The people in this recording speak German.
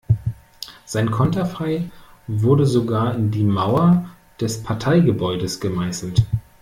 Sein Konterfei wurde sogar in die Mauer des Parteigebäudes gemeißelt.